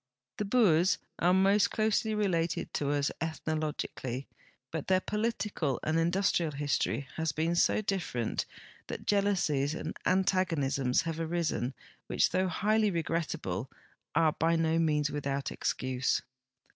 The Boers are most closely related to us ethno logically, but their political and industrial history has been so different that jealousies and antagonisms have arisen which, though highly regrettable, are by no means without excuse.